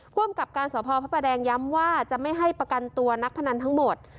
ภูมิกับการสพพระประแดงย้ำว่าจะไม่ให้ประกันตัวนักพนันทั้งหมด